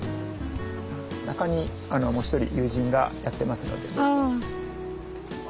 中にもう一人友人がやってますので。